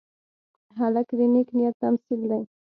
هلک د نیک نیت تمثیل دی.